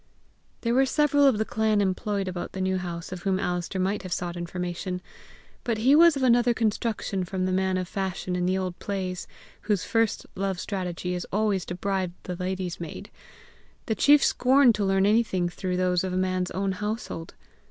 There were several of the clan employed about the New House of whom Alister might have sought information; but he was of another construction from the man of fashion in the old plays, whose first love strategy is always to bribe the lady's maid: the chief scorned to learn anything through those of a man's own household.